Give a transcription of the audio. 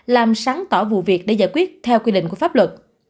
làm sáng tỏ vụ việc để giải quyết theo quy định của pháp luật